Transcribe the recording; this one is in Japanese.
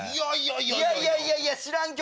いやいやいやいや知らん曲。